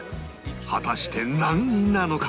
果たして何位なのか？